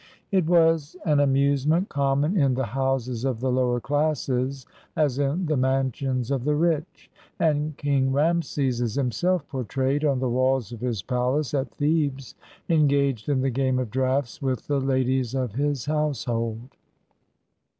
It was an amusement common in the houses of the lower classes, as in the mansions of the rich; and King Rameses is himself portrayed on the walls of his palace at Thebes, engaged in the game of draughts with the ladies of his household.